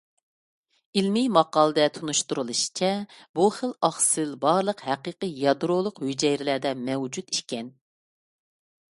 ئىلمىي ماقالىدە تونۇشتۇرۇلۇشىچە، بۇ خىل ئاقسىل بارلىق ھەقىقىي يادرولۇق ھۈجەيرىلەردە مەۋجۇت ئىكەن.